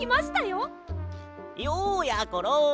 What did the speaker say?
ようやころ。